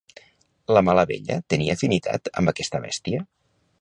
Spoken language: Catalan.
La Malavella tenia afinitat amb aquesta bèstia?